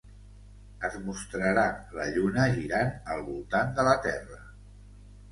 Es mostrarà la Lluna girant al voltant de la Terra.